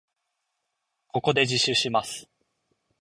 ここで自首します。